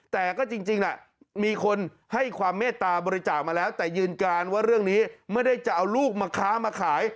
แต่ก็จริงมีคนให้ความเมตตาบริจาคมาแล้วแต่ยืนการว่าเรื่องนี้ไม่ได้จะเอาลูกมาค้ามาขาย